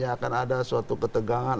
akan ada suatu ketegangan